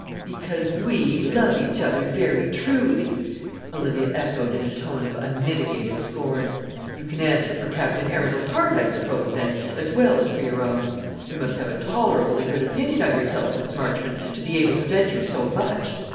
"Because we love each other very truly!" Olivia echoed in a tone of unmitigated scorn. "You can answer for Captain Arundel's heart, I suppose, then, as well as for your own? You must have a tolerably good opinion of yourself, Miss Marchmont, to be able to venture so much.